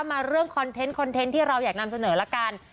มาเรื่องคอนเทนต์คอนเทนต์ที่เราอยากนำเสนอละกัน